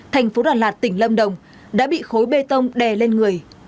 thành phố đà lạt tỉnh lâm đồng đã bị khối bê tông đè lên người